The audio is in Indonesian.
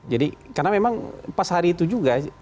jadi karena memang pas hari itu juga